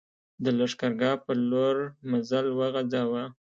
د لښکرګاه پر لور مزل وغځاوه.